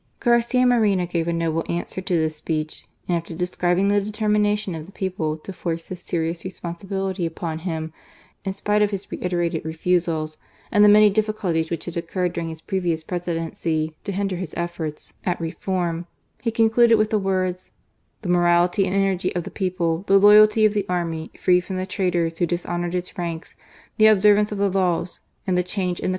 Garcia Moreno gave a noble answer to this speech: and after describing the determination of the people to force this serious responsibility upon him, in spite of his reiterated refusals, and the many difficulties which had occurred during his previous Presidency to hinder his efforts at reform, he concluded with the words :" The morality and energy of the people ; the loyalty of the army, freed from the traitors who dishonoured its ranks; the observance of the laws, and the change in the o axo GARCld MORENO.